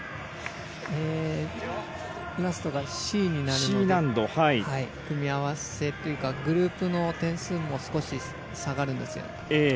ラストがＣになるので組み合わせというかグループの点数も少し下がるんですよ。